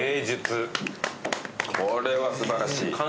これは素晴らしい。